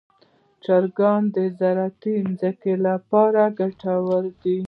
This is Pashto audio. چرګان د زراعتي ځمکو لپاره ګټور دي.